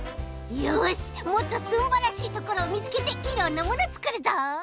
よしもっとすんばらしいところをみつけていろんなものつくるぞ！